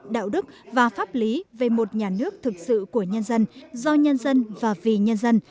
đạo đức và pháp lý về một nhà nước thực sự của nhân dân do nhân dân và vì nhân dân